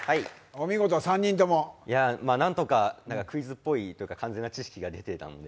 なんとかクイズっぽいとか完全に知識が出ていたので。